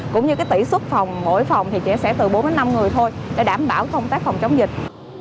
cũng như tỷ suất phòng mỗi phòng thì trẻ sẽ từ bốn đến năm người thôi để đảm bảo công tác phòng chống dịch